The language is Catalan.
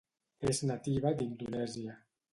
És nativa d'Indonèsia.